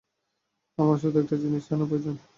আমার শুধু একটা জিনিস জানা প্রয়োজন।